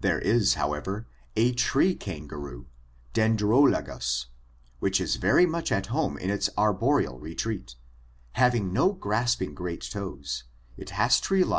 There is, however, a tree kangaroo, Dendrolagus, which is very much at home in its arboreal retreat; having no grasping great toes, it has to rely upon jy its claws and broad